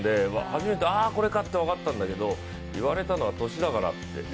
初めて、あこれかと分かったんだけど言われたのは年だからって。